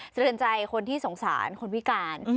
สะเทือนใจคนที่สงสารคนพิการ